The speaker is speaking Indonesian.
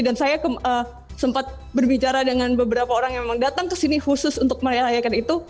dan saya sempat berbicara dengan beberapa orang yang memang datang ke sini khusus untuk meriahkan itu